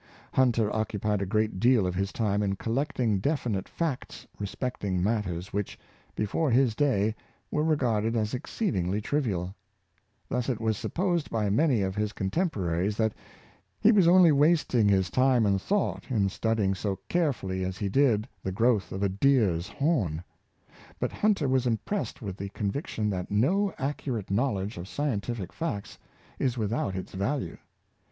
Hunter occupied a great deal of his time in collect ing definite facts respecting matters which, before his day, were regarded as exceedingly trivial Thus it was supposed by many of his cotemporaries that he was only wasting his time and thought in studying so carefully as he did the growth of a deer^s horn. But Hunter was impressed with the conviction that no accurate knowl edge of scientific facts is without its value.